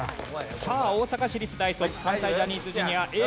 さあ大阪市立大卒関西ジャニーズＪｒ．Ａぇ！